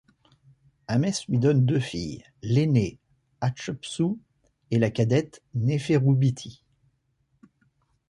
Ahmès lui donne deux filles, l'aînée Hatchepsout et la cadette Néféroubity.